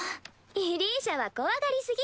イリーシャは怖がり過ぎ。